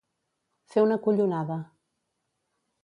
Fer una collonada.